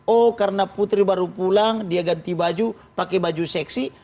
oh karena putri baru pulang dia ganti baju pakai baju seksi